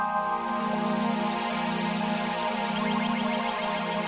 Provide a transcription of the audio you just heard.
selamat datang ke gerai